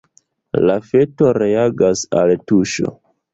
La feto reagas al tuŝo.